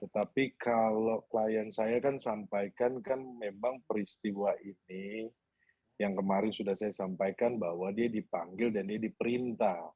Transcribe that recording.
tetapi kalau klien saya kan sampaikan kan memang peristiwa ini yang kemarin sudah saya sampaikan bahwa dia dipanggil dan dia diperintah